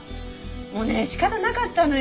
もうね仕方なかったのよ。